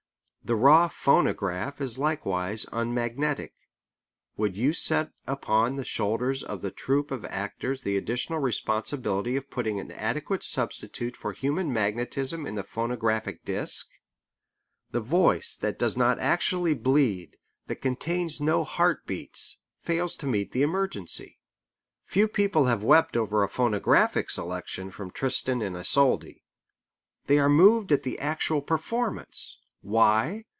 The raw phonograph is likewise unmagnetic. Would you set upon the shoulders of the troupe of actors the additional responsibility of putting an adequate substitute for human magnetism in the phonographic disk? The voice that does not actually bleed, that contains no heart beats, fails to meet the emergency. Few people have wept over a phonographic selection from Tristan and Isolde. They are moved at the actual performance. Why?